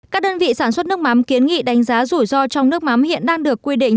các đơn vị sản xuất nước mắm kiến nghị đánh giá rủi ro trong nước mắm hiện đang được quy định